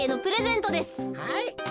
はい。